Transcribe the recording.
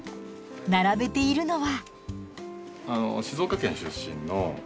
並べているのは。